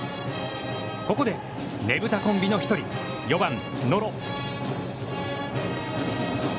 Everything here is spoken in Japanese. ここでねぶたコンビの１人、４番野呂。